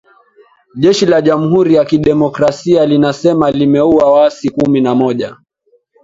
Jeshi la jamhuri ya kidemokrasia linasema limeua waasi kumi na moja